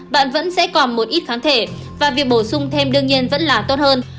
bạn vẫn sẽ còn một ít kháng thể và việc bổ sung thêm đương nhiên vẫn là tốt hơn